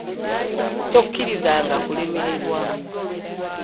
Tokkirizanga kulemererwa.